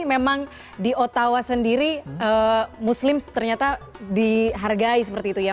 memang di ottawa sendiri muslim ternyata dihargai seperti itu ya